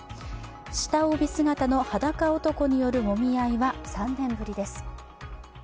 下帯姿のはだか男によるもみ合いは３年ぶりです。